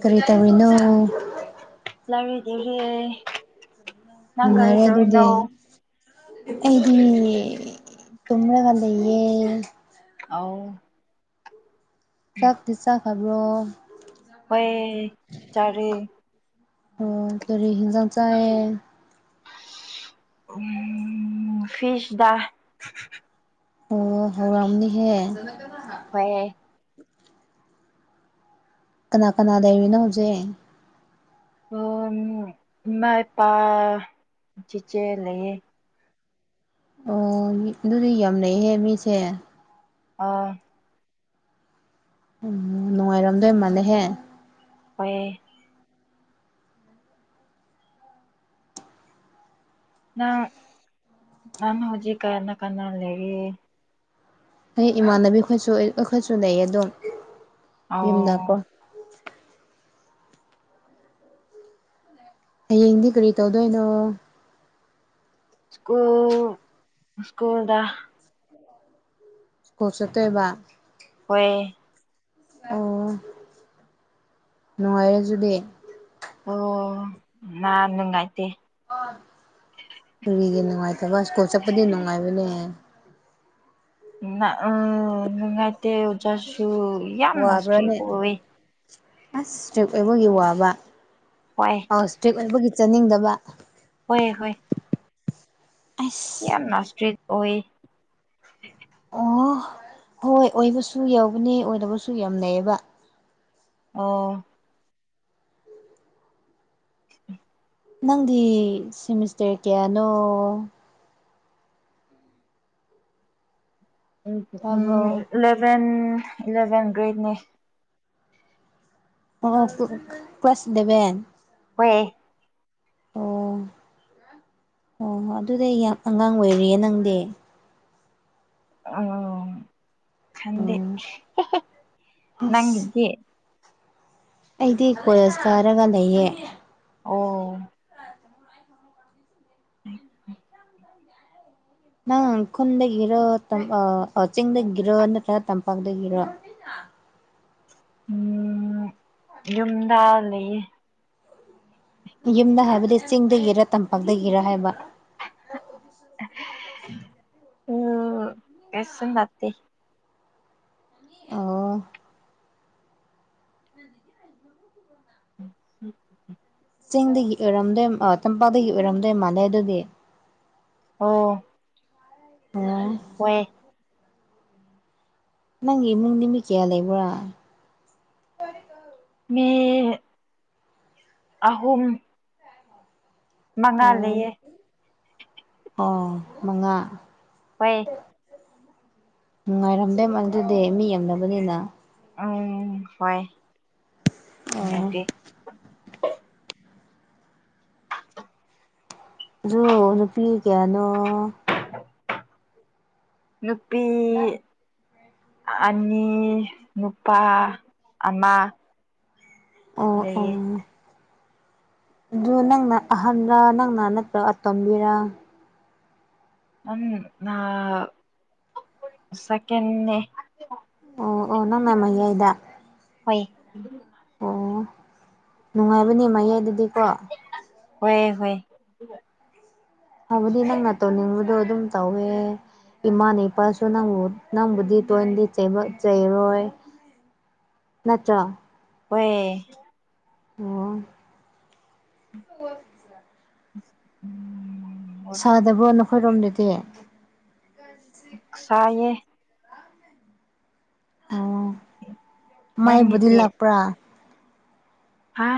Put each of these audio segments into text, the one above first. ꯀꯔꯤ ꯇꯧꯔꯤꯅꯣ ꯂꯥꯏꯔꯤꯛ ꯏꯔꯤꯑꯦ ꯅꯪ ꯀꯥꯔꯤ ꯅꯨꯡꯉꯥꯏꯔꯦ ꯇꯧꯔꯤꯅꯣ ꯑꯗꯨꯗꯤ ꯑꯩꯗꯤ ꯇꯨꯝꯂꯒ ꯂꯩꯌꯦ ꯑꯥꯎ ꯆꯥꯛꯇꯤ ꯆꯥꯈꯕ꯭ꯔꯣ ꯍꯣꯏ ꯆꯔꯦ ꯑꯣ ꯀꯔꯤ ꯍꯖꯥꯡ ꯆꯥꯑ ꯎꯝ ꯐꯤꯁꯗꯥ ꯑꯣ ꯍꯥꯎꯔꯝꯅꯤꯍꯦ ꯍꯣꯏ ꯀꯅꯥ ꯀꯅꯥ ꯂꯩꯔꯤꯅꯣ ꯍꯧꯖꯤꯛ ꯑꯣ ꯏꯃꯥ ꯏꯄꯥ ꯆꯤꯆꯦ ꯂꯩꯌꯦ ꯑꯣ ꯑꯗꯨꯗꯤ ꯌꯥꯝ ꯂꯩꯩꯍꯦ ꯃꯤꯁꯦ ꯑꯥ ꯎꯝ ꯅꯨꯡꯉꯥꯏꯔꯝꯗꯣꯏ ꯃꯥꯜꯂꯦꯍꯦ ꯍꯣꯏ ꯅ ꯅꯪ ꯍꯧꯖꯤꯛ ꯀꯔꯅ ꯀꯅꯥ ꯂꯩꯔꯤꯌꯦ ꯑꯩ ꯏꯃꯥꯟꯅꯕꯤ ꯈꯤꯏꯁꯨ ꯑꯩꯈꯣꯏꯁꯨ ꯂꯩꯌꯦ ꯑꯗꯨꯝ ꯌꯨꯝꯗꯀꯣ ꯑꯣ ꯍꯌꯦꯡꯗꯤ ꯀꯔꯤ ꯇꯧꯗꯣꯏꯅꯣ ꯀꯨꯜ ꯁ꯭ꯀꯨꯜꯗ ꯀꯨꯜ ꯆꯠꯊꯣꯏꯕꯥ ꯍꯣꯏ ꯑꯣ ꯅꯨꯡꯉꯥꯏꯔꯦꯖꯨꯗꯤ ꯑꯣ ꯃꯥ ꯅꯨꯉꯥꯏꯇꯦ ꯀꯔꯤꯒꯤ ꯅꯨꯡꯉꯥꯏꯇꯕ ꯁ꯭ꯀꯨꯜ ꯆꯠꯄꯗꯤ ꯅꯨꯡꯉꯥꯏꯕꯅꯦ ꯎ ꯅꯨꯡꯉꯥꯏꯇ ꯑꯣꯖꯁꯨ ꯋꯥꯕ꯭ꯔꯥꯅꯦ ꯑꯁ ꯏꯁꯇ꯭ꯔꯤꯛ ꯑꯣꯏꯕꯒꯤ ꯋꯥꯕ ꯑꯥ ꯑ ꯏꯁꯇ꯭ꯔꯤꯛ ꯑꯣꯏꯕꯒꯤ ꯆꯥꯅꯤꯡꯗꯕ ꯍꯣꯏ ꯍꯣꯏ ꯑꯁ ꯌꯥꯝꯅꯥ ꯏꯁꯇ꯭ꯔꯤꯛ ꯑꯣꯏ ꯑꯣ ꯍꯣꯏ ꯑꯣꯏꯕꯁꯨ ꯌꯥꯎꯕꯅꯦ ꯑꯣꯏꯗꯕꯁꯨ ꯌꯥꯝ ꯂꯩꯩꯌꯦꯕ ꯑꯣ ꯅꯪꯗꯤ ꯁꯤꯃꯤꯁꯇꯔ ꯀꯌꯥꯅꯣ ꯇꯥꯕ꯭ꯔꯣ ꯏꯂꯚꯦꯟ ꯏꯂꯚꯦꯟ ꯒ꯭ꯔꯦꯗꯅꯦ ꯑꯣ ꯀ꯭ꯂ ꯀ꯭ꯂꯥꯁ ꯏꯂꯚꯦꯟ ꯍꯋꯦ ꯑꯣ ꯑꯣ ꯍꯣꯏ ꯑꯗꯨꯗꯤꯩ ꯌꯥꯝ ꯑꯉꯥꯡ ꯑꯣꯏꯔꯤꯌꯦ ꯅꯪꯗꯤ ꯑꯣ ꯈꯪꯗꯦ ꯑꯣ ꯑꯁ ꯅꯪꯗꯤ ꯑꯩꯗꯤ ꯀꯣꯂꯦꯁ ꯀꯥꯔꯒ ꯂꯩꯌꯦ ꯑꯣ [inaudible] ꯅꯪ ꯈꯨꯟꯗꯒꯤꯔꯣ ꯇꯝ ꯑꯥ ꯆꯤꯡꯗꯒꯤꯔꯣ ꯅꯠꯇ꯭ꯔꯒ ꯇꯝꯄꯥꯛꯗꯒꯤꯔ ꯎꯝ ꯌꯨꯝꯗ ꯂꯩꯌꯦ ꯌꯨꯝꯗ ꯍꯥꯏꯕꯗꯤ ꯆꯤꯡꯗꯒꯤꯔ ꯇꯝꯄꯥꯛꯇꯒꯤꯔ ꯍꯥꯏꯕ ꯎꯝ ꯀꯩꯁꯨꯝ ꯅꯠꯇꯦ ꯑꯣ [inaudible] [inaudible] ꯆꯤꯡꯗꯒꯤ ꯑꯦꯔꯝꯗꯣꯏ ꯇꯝꯄꯥꯛꯗꯒꯤ ꯑꯣꯏꯔꯝꯗꯣꯏ ꯃꯥꯜꯂꯦ ꯑꯗꯨꯗꯤ ꯑꯣ [unintelligible] ꯍꯣꯏ ꯅꯪꯒꯤ ꯏꯃꯨꯡꯅꯤ ꯃꯤ ꯀꯌꯥ ꯂꯩꯕ꯭ꯔꯥ ꯃꯤ ꯑꯍꯨꯝ ꯃꯉꯥ ꯑꯣ ꯂꯩꯌꯦ ꯑꯣ ꯃꯉꯥ ꯍꯣꯏ ꯅꯨꯡꯉꯥꯏꯔꯝꯗꯦ ꯃꯗꯨꯗꯤ ꯃꯤ ꯌꯥꯝꯗꯕꯅꯤꯅ ꯎꯝ ꯍꯣꯏ ꯑꯣ ꯅꯨꯉꯥꯏꯇꯦ ꯑꯗꯨ ꯅꯨꯄꯤ ꯀꯌꯥꯅꯣ ꯅꯨꯄꯤ ꯑꯅꯤ ꯅꯨꯄꯥ ꯑꯃ ꯑꯣ ꯂꯩꯌꯦ ꯎꯝ ꯑꯗꯨ ꯅꯪꯅ ꯑꯍꯟꯔꯥ ꯅꯪꯅ ꯅꯠꯇ꯭ꯔ ꯑꯇꯣꯝꯕꯤꯔ ꯑꯝ ꯅꯥ ꯁꯦꯀꯦꯟꯅꯦ ꯑꯣ ꯑꯣ ꯅꯪꯅ ꯃꯌꯥꯏꯗ ꯍꯣꯏ ꯑꯣ ꯅꯨꯡꯉꯥꯏꯕꯅꯦ ꯃꯌꯥꯏꯗꯗꯤꯀꯣ ꯍꯣꯏ ꯍꯣꯏ ꯍꯥꯕꯗꯤ ꯅꯪꯅ ꯇꯧꯅꯤꯡꯕꯗꯣ ꯑꯗꯨꯝ ꯇꯧꯋꯦ ꯏꯃꯥꯅ ꯏꯄꯥꯁꯨ ꯅꯪꯕꯨ ꯅꯪꯕꯨꯗꯤ ꯇꯣꯏꯅꯗꯤ ꯆꯩꯕ ꯆꯩꯔꯣꯏ ꯅꯠꯇ꯭ꯔꯥ ꯍꯣꯏ ꯑꯣ [unintelligible] [inaudible] ꯁꯥꯗꯕ꯭ꯔꯣ ꯅꯈꯣꯏꯔꯣꯝꯗꯗꯤ ꯁꯥꯌꯦ ꯑ ꯃꯩꯕꯨꯗꯤ ꯅꯪꯒꯤꯗꯤ ꯂꯥꯛꯄ꯭ꯔꯥ ꯍꯥ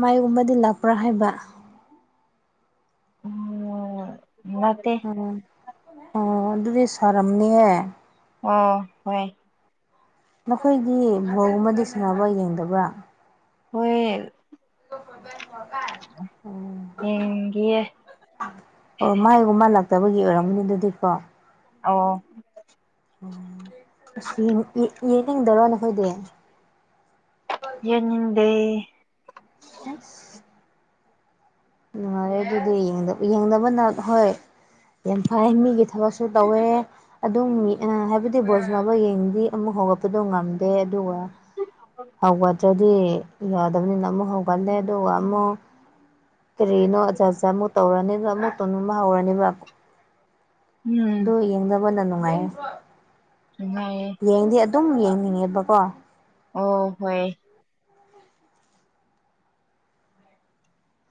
ꯃꯥꯏꯒꯨꯝꯕꯗꯤ ꯂꯥꯛꯄ꯭ꯔꯥ ꯍꯥꯏꯕ ꯑꯣ ꯂꯥꯛꯇꯦ ꯑꯣ ꯑꯣ ꯑꯗꯨꯗꯤ ꯁꯥꯔꯝꯅꯤꯍꯦ ꯑꯣ ꯍꯣꯏ ꯅꯈꯣꯏꯗꯤ ꯕꯣꯜꯒꯨꯝꯕꯗꯤ ꯁꯥꯟꯅꯕ ꯌꯦꯡꯗꯕ꯭ꯔꯥ ꯍꯣꯏꯌꯦ [unintelligible] ꯑꯣ ꯌꯦꯡꯒꯤꯌꯦ ꯑꯣ ꯃꯥꯏꯒꯨꯝ ꯃꯥ ꯂꯥꯛꯇꯕꯒꯤ ꯑꯣꯏꯔꯝꯒꯅꯤ ꯗꯨꯗꯤꯀꯣ ꯑꯣ ꯑꯣ ꯑꯁ ꯌꯦꯡ ꯌꯦ ꯌꯦꯅꯤꯡꯗꯔꯣ ꯅꯈꯣꯏꯗꯤ ꯌꯦꯅꯤꯡꯗꯦ ꯑꯁ ꯅꯨꯡꯉꯥꯏꯔꯦ ꯑꯗꯨꯗꯤ ꯌꯦꯡꯗꯞ ꯌꯦꯡꯗꯕꯅ ꯍꯣꯏ ꯌꯥꯝ ꯐꯥꯏ ꯃꯤꯒꯤ ꯊꯕꯛꯁꯨ ꯇꯧꯋꯦ ꯑꯗꯨꯝ ꯃꯤ ꯑꯥ ꯍꯥꯏꯕꯗꯤ ꯕꯣꯜ ꯁꯅꯥꯕ ꯌꯦꯡꯗꯤ ꯑꯃꯨꯛ ꯍꯧꯋꯞ ꯄꯗꯣ ꯉꯝꯗꯦ ꯑꯗꯨꯒ ꯍꯧꯒꯗ꯭ꯔ ꯗꯤ ꯌꯥꯗꯕꯅꯤꯅ ꯑꯃꯨꯛ ꯍꯧꯒꯠꯂꯦ ꯑꯗꯨꯒ ꯑꯃꯨꯛ ꯀꯔꯤꯅꯣ ꯑꯖꯥ ꯑꯖꯥ ꯑꯃꯨꯛ ꯇꯧꯔꯅꯦꯕ ꯑꯃꯨꯛ ꯇꯧꯅꯤꯡꯕ ꯍꯧꯔꯅꯦꯕ ꯎꯝ ꯗꯣ ꯌꯦꯡꯗꯕꯅ ꯅꯨꯡꯉꯥꯏꯌꯦ ꯅꯨꯡꯉꯥꯏꯌꯦ ꯌꯦꯡꯗꯤ ꯑꯗꯨꯝ ꯌꯦꯡꯅꯤꯡꯉꯦꯕꯀꯣ ꯑꯣ ꯍꯣꯏ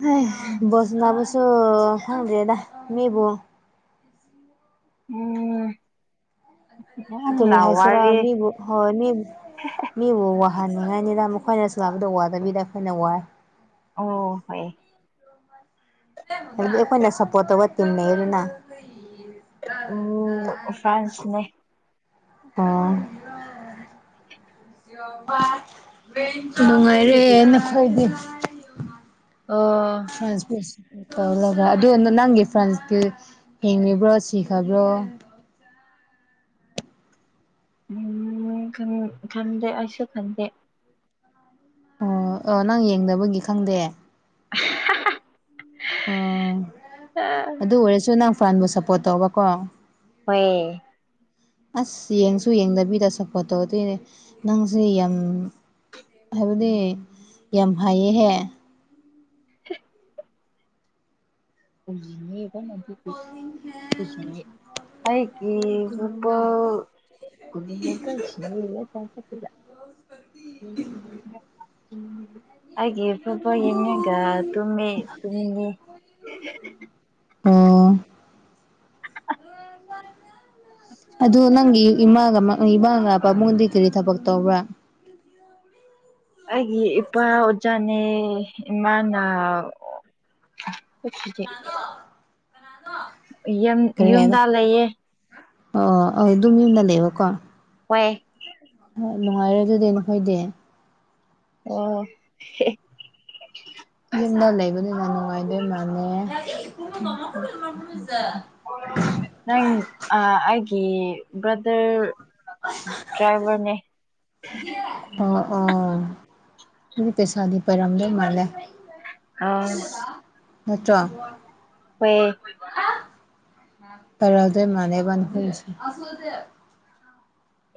ꯍꯩꯍꯥ ꯎꯝ ꯕꯣꯜ ꯁꯅꯥꯕꯁꯨ ꯈꯪꯗꯦꯗ ꯃꯤꯕꯨ ꯎꯝ ꯀꯔꯤ ꯍꯥꯏꯁꯤꯔꯥ [unintelligible] ꯃꯤꯕꯨ ꯍꯣꯏ ꯃꯤꯕꯨ ꯃꯤꯕꯨ ꯋꯥꯍꯟꯅꯤꯡꯉꯥꯏꯅꯤꯗ ꯃꯈꯣꯏꯅ ꯁꯅꯥꯕꯗꯨ ꯋꯥꯗꯕꯤꯗ ꯑꯈꯣꯏꯅ ꯋꯥꯏ ꯑꯧꯑꯣ ꯍꯣꯏꯌꯦ [unintelligible] ꯍꯥꯏꯕꯗꯤ ꯑꯈꯣꯏꯅ ꯁꯞꯄꯣꯠ ꯇꯧꯕ ꯇꯤꯝ ꯂꯩꯌꯦꯅ [unintelligible] ꯎ ꯐ꯭ꯔꯥꯟꯁꯅꯦ ꯑꯣ [unintelligible] [unintelligible] ꯅꯨꯡꯉꯥꯏꯔꯦ ꯅꯈꯣꯏꯗꯤ ꯑꯣ ꯐ꯭ꯔꯥꯟꯁꯄꯤꯁ ꯇꯧꯂꯒ ꯑꯗꯨ ꯅ ꯅꯪꯒꯤ ꯐ꯭ꯔꯥꯟꯁꯀꯤ ꯍꯤꯡꯂꯤꯕ꯭ꯔꯣ ꯁꯤ ꯇꯥꯕ꯭ꯔꯣ ꯎꯝ ꯈꯪ ꯈꯝꯗꯦ ꯑꯩꯁꯨ ꯈꯟꯗꯦ ꯑꯣ ꯑꯣ ꯅꯪ ꯌꯦꯡꯗꯕꯒꯤ ꯈꯪꯗꯦ ꯑ ꯑꯗꯨ ꯑꯣꯏꯔꯁꯨ ꯅꯪ ꯐ꯭ꯔꯥꯟꯕꯨ ꯁꯄꯣꯠ ꯇꯧꯕꯀꯣ ꯍꯣꯏꯌꯦ ꯑꯁ ꯌꯦꯡꯁꯨ ꯌꯦꯡꯗꯕꯤꯗ ꯁꯄꯣꯠ ꯇꯧꯗꯨꯏꯅꯦ ꯅꯪꯁꯨ ꯌꯥꯝ ꯍꯥꯏꯕꯗꯤ ꯌꯥꯝ ꯍꯩꯌꯦꯍꯦ [unintelligible] ꯑꯩꯀꯤ ꯆꯄꯜ [unintelligible] [unintelligible] ꯑꯩꯒꯤ ꯐꯨꯠꯕꯣꯜ ꯌꯦꯡꯉꯒꯥ ꯇꯨꯝꯃꯦ ꯇꯨꯝꯅꯤꯡꯉꯦ ꯑꯣ ꯑꯗꯨ ꯅꯪꯒꯤ ꯏꯃꯥꯒ ꯃ ꯏꯃꯥꯒ ꯄꯥꯕꯨꯡꯗꯤ ꯀꯔꯤ ꯊꯕꯛ ꯇꯧꯕ꯭ꯔꯥ ꯑꯩꯒꯤ ꯏꯄꯥ ꯑꯣꯖꯥꯅꯦ ꯏꯃꯥꯅ ꯑꯣ [unintelligible] [inaudible] ꯌꯝ ꯌꯨꯝꯗ ꯂꯩꯌꯦ ꯑꯥ ꯑꯗꯨꯝ ꯌꯨꯝꯗ ꯂꯩꯕꯀꯣ ꯍꯣꯏ ꯌꯥꯝ ꯅꯨꯡꯉꯥꯏꯔꯦ ꯑꯗꯨꯗꯤ ꯅꯈꯣꯏꯗꯤ ꯑꯣ ꯍꯦ [inaudible] ꯌꯨꯝꯅ ꯂꯩꯕꯅꯤꯅ ꯅꯨꯡꯉꯥꯏꯗꯣꯏ ꯃꯥꯥꯟꯂꯦ [unintelligible] [unintelligible] ꯅꯪ ꯑ ꯑꯩꯒꯤ ꯕ꯭ꯔꯗꯔ [inaudible] ꯗ꯭ꯔꯥꯏꯚꯔꯅꯦ ꯑꯥ ꯑꯥ ꯑꯗꯨꯗꯤ ꯄꯩꯁꯥꯗꯤ ꯄꯥꯏꯔꯝꯗꯣꯏ ꯃꯥꯜꯂꯦ ꯑ [unintelligible] ꯅꯠꯇ꯭ꯔꯣ ꯍꯣꯏ [unintelligible] ꯄꯥꯏꯔꯜꯗꯨꯏ ꯃꯥꯜꯂꯦꯕ ꯅꯈꯣꯏꯁꯦ [unintelligible]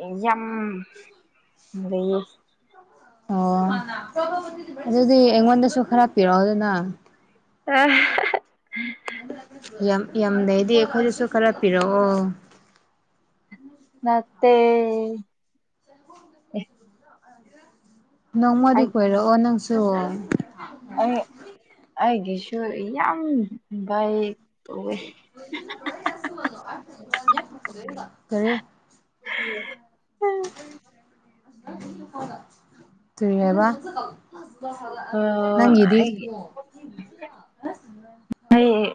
ꯑꯦꯌꯥꯝ [unintelligible] ꯑꯣ [unintelligible] ꯑꯗꯨꯗꯤ ꯑꯩꯉꯣꯟꯗꯁꯨ ꯈꯔ ꯄꯤꯔꯛꯑꯣꯗꯅꯥ ꯑꯦ ꯍꯦꯍꯦ ꯌꯥꯝ ꯌꯥꯝ ꯂꯩꯩꯔꯗꯤ ꯑꯩꯈꯣꯏꯗꯁꯨ ꯈꯔ ꯄꯤꯔꯛꯑꯣ ꯅꯠꯇꯦ ꯑꯩ ꯅꯣꯡꯃꯗꯤ ꯑꯩ ꯀꯣꯏꯔꯛꯑꯣ ꯅꯪꯁꯨ ꯑꯩ ꯑꯩꯒꯤꯁꯨ ꯌꯥꯝ ꯕꯩ [unintelligible] ꯀꯔꯤ [unintelligible] [unintelligible] ꯀꯔꯤ ꯍꯥꯏꯕ ꯅꯪꯒꯤꯗꯤ ꯑꯩꯒꯤ [inaudible] ꯑꯩ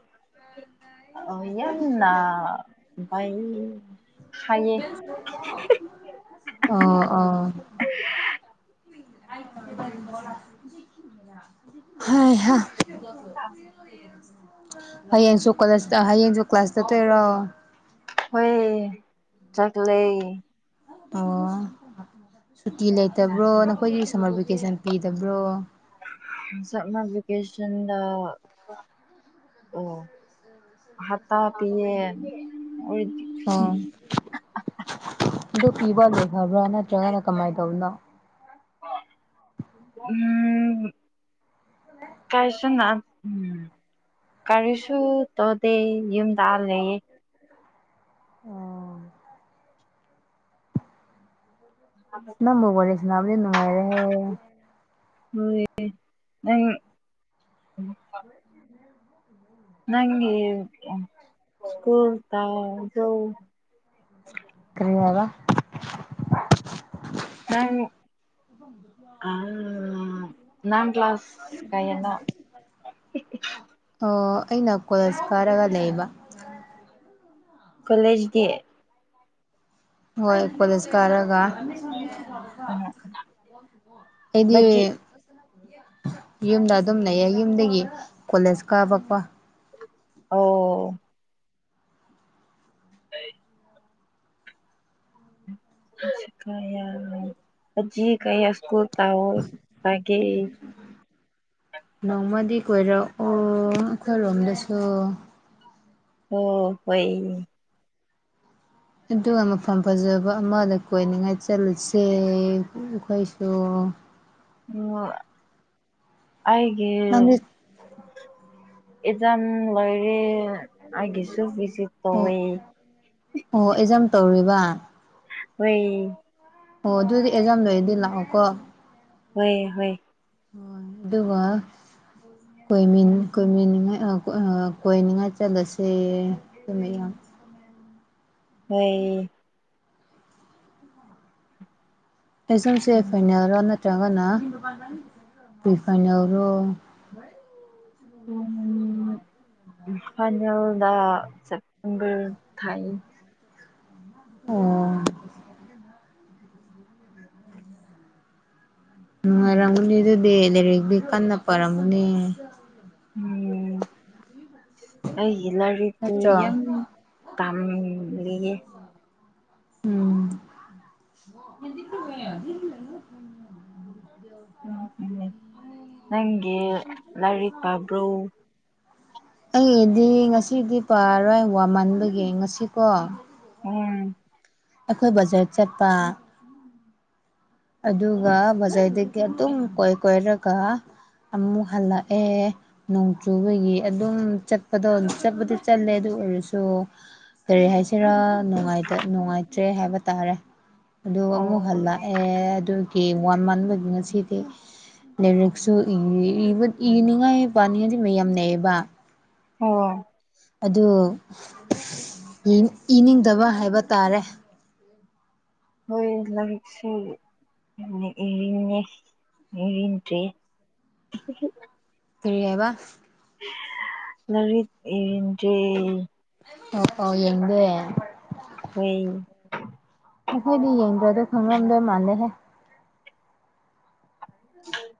ꯑ ꯌꯥꯝꯅꯥ ꯐꯩ [inaudible] ꯑ ꯑ [unintelligible] ꯍꯥꯏꯍꯥ ꯍꯌꯦꯡꯁꯨ ꯀ꯭ꯂꯦꯁꯇ ꯍꯌꯦꯡꯁꯨ ꯀ꯭ꯂꯥꯁ ꯆꯠꯇꯨꯏꯔꯣ ꯍꯣꯏ ꯆꯠꯂꯦ ꯑꯣ ꯁꯨꯇꯤ ꯂꯩꯇꯕ꯭ꯔꯣ ꯅꯈꯣꯏꯒꯤ ꯁꯝꯃꯔ ꯚꯦꯀꯦꯁꯟ ꯄꯤꯗꯕ꯭ꯔꯣ ꯁꯝꯃꯔ ꯚꯦꯀꯦꯁꯟꯗ ꯑꯣ ꯍꯞꯇꯥ ꯄꯤꯌꯦ ꯑꯣꯏ ꯎꯝ ꯑꯗꯨ ꯄꯤꯕ ꯂꯣꯏꯈꯕ꯭ꯔꯣ ꯅꯠꯇ꯭ꯔꯒꯅ ꯀꯃꯥꯏ ꯇꯧꯔꯤꯅꯣ [unintelligible] ꯎꯝ ꯀꯔꯤꯁꯨꯅ ꯀꯔꯤꯁꯨ ꯇꯧꯗꯦ ꯌꯨꯝꯗꯥꯂꯩꯌꯦ ꯑꯣ [inaudible] [unintelligible] ꯅꯝꯕ ꯋꯥꯔꯤ ꯁꯥꯟꯅꯕꯁꯤꯗꯤ ꯅꯨꯡꯉꯥꯏꯔꯦ [unintelligible] [inaudible] ꯅꯪꯒꯤ [unintelligible] ꯀꯔꯤ ꯍꯥꯏꯕ ꯅꯪ [inaudible] [unintelligible] ꯑ ꯅꯪ ꯀ꯭ꯂꯥꯁ ꯀꯌꯥꯅꯣ ꯑꯣ ꯑꯩꯅ ꯀ꯭ꯂꯦꯖ ꯀꯥꯔꯒ ꯂꯩꯕ ꯀꯣꯂꯦꯖ ꯒꯤ ꯍꯣꯏ ꯀꯣꯂꯦꯖ ꯀꯥꯔꯒ [inaudible] ꯑꯩꯗꯤ ꯕꯖꯤ ꯌꯨꯝꯗ ꯑꯗꯨꯝ ꯂꯩꯌꯦ ꯌꯨꯝꯗꯒꯤ ꯀꯣꯂꯦꯖ ꯀꯥꯕ ꯀꯣ ꯑꯧ [unintelligible] ꯅꯣꯡꯃꯗꯤ ꯀꯣꯏꯔꯛꯑꯣ ꯑꯩꯈꯣꯏ ꯔꯣꯝꯗꯁꯨ ꯑꯣ ꯍꯣꯏ ꯑꯗꯨꯒ ꯃꯐꯝ ꯐꯖꯕ ꯑꯃꯗ ꯀꯣꯏꯅꯤꯡꯉꯥꯏ ꯆꯠꯂꯨꯁꯦ ꯑꯈꯣꯏꯁꯨ ꯎꯝ ꯑꯩꯒꯤ ꯅꯪꯗꯤ ꯑꯦꯖꯥꯝ ꯂꯣꯏꯔꯦ ꯑꯩꯒꯤꯁꯨ ꯄꯤꯁꯤ ꯑꯣ ꯇꯧꯋꯦ ꯑꯣ ꯑꯦꯖꯥꯝ ꯇꯧꯔꯤꯕ ꯍꯣꯏ꯫ ꯑꯣ ꯑꯗꯨꯗꯤ ꯑꯦꯖꯥꯝ ꯂꯣꯏꯔꯗꯤ ꯂꯥꯛꯑꯣꯀꯣ ꯍꯣꯏ ꯍꯣꯏ ꯍꯣꯏ ꯑꯗꯨꯒ ꯀꯣꯏꯃꯤꯟ ꯀꯣꯏꯃꯤꯟꯅꯤꯡꯉꯥꯏ ꯑꯥ ꯀꯣꯏꯅꯤꯡꯉꯥꯏ ꯆꯠꯂꯁꯦ [unintelligible] ꯍꯣꯏ ꯑꯦꯖꯥꯝꯁꯦ ꯑꯦ ꯐꯥꯏꯅꯦꯜꯔꯣ ꯅꯠꯇ꯭ꯔꯒꯅ [inaudible] ꯇꯨ ꯐꯥꯏꯅꯦꯜꯔꯣ ꯎꯝ ꯐꯥꯏꯅꯦꯜꯗ ꯁꯦꯞꯇꯦꯝꯕꯔ ꯊꯥꯏ ꯑꯣ ꯅꯨꯡꯉꯥꯏꯔꯝꯒꯅꯤ ꯑꯗꯨꯗꯤ ꯂꯥꯏꯔꯤꯛꯗꯤ ꯀꯟꯅ ꯄꯔꯝꯒꯅꯤ ꯎꯝ ꯑꯩꯒꯤ ꯂꯥꯔꯤꯛꯇꯣ ꯅꯠꯇ꯭ꯔꯣ ꯌꯝ ꯇꯥꯝ ꯂꯤꯌꯦ ꯎꯝ [inaudible] ꯎꯝ ꯎꯝ ꯅꯪꯒꯤ ꯂꯥꯏꯔꯤꯛ ꯄꯕ꯭ꯔꯣ ꯑꯩꯒꯤꯗꯤ ꯉꯁꯤꯗꯤ ꯄꯔꯣꯏ ꯋꯥꯃꯟꯕꯒꯤ ꯉꯁꯤꯀꯣ ꯎꯝ ꯑꯈꯣꯏ ꯕꯖꯥꯔ ꯆꯠꯄ ꯑꯗꯨꯒ ꯕꯖꯥꯔꯗꯒꯤ ꯑꯗꯨꯝ ꯀꯣꯏ ꯀꯣꯏꯔꯒ ꯑꯃꯨꯛ ꯍꯜꯂꯛꯑꯦ ꯅꯣꯡꯆꯨꯕꯒꯤ ꯑꯗꯨꯝ ꯆꯠꯄꯗꯣ ꯆꯠꯄꯗꯤ ꯆꯠꯂꯦ ꯑꯗꯨ ꯑꯣꯏꯔꯁꯨ ꯀꯔꯤ ꯍꯥꯏꯁꯤꯔꯥ ꯅꯨꯡꯉꯥꯏꯇꯥ ꯅꯨꯡꯉꯥꯏꯇ꯭ꯔꯦ ꯍꯥꯏꯕ ꯇꯥꯔꯦ ꯑꯗꯨ ꯑꯃꯨꯛ ꯑꯣ ꯍꯜꯂꯛꯑꯦ ꯑꯦ ꯑꯗꯨꯒꯤ ꯋꯥꯟꯃꯟꯕꯒꯤ ꯉꯁꯤꯗꯤ ꯂꯥꯏꯔꯤꯛꯁꯨ ꯏ ꯏꯕ ꯏꯅꯤꯡꯉꯥꯏ ꯄꯥꯅꯤꯡꯉꯥꯏꯗꯤ ꯃꯌꯥꯝ ꯂꯩꯌꯦꯕ ꯍꯣ ꯑꯗꯨ ꯏꯅꯤ ꯏꯅꯤꯡꯗꯕ ꯍꯥꯏꯕ ꯇꯥꯔꯦ ꯍꯣꯏ ꯂꯥꯏꯔꯤꯛꯁꯦ ꯌꯥꯝꯅ ꯏꯔꯤꯉꯦ ꯏꯔꯤꯟꯗ꯭ꯔꯤ [unintelligible] ꯀꯔꯤ ꯍꯥꯏꯕ ꯂꯥꯔꯤꯛ ꯏꯟꯗ꯭ꯔꯦ ꯄꯥꯎ ꯄꯥꯎ ꯌꯦꯡꯗꯦ ꯍꯣꯏ ꯑꯣ ꯅꯈꯣꯏꯗꯤ ꯌꯦꯡꯗ꯭ꯔꯥꯗꯨ ꯈꯪꯉꯝꯗꯣꯏ ꯃꯥꯜꯂꯦꯍꯦ [unintelligible]